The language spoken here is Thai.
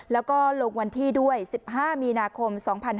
แล้วก็ลงวันที่ด้วย๑๕มีนาคม๒๕๕๙